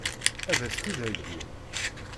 Ad as-tt-id-heggin?